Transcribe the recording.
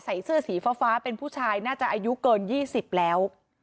เสื้อสีฟ้าเป็นผู้ชายน่าจะอายุเกิน๒๐แล้ว